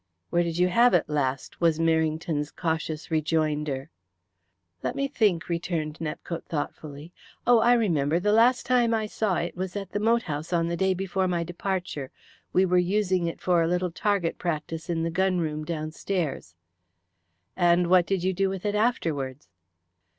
"Where did you have it last?" was Merrington's cautious rejoinder. "Let me think," returned Nepcote thoughtfully. "Oh, I remember. The last time I saw it was at the moat house on the day before my departure. We were using it for a little target practice in the gun room downstairs." "And what did you do with it afterwards?"